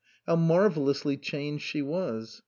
How marvellously changed she was !